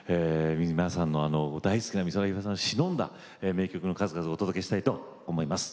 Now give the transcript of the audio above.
皆さんの大好きな美空ひばりさんをしのんだ名曲の数々をお届けしたいと思います。